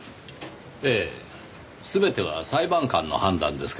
ええ全ては裁判官の判断ですからねぇ。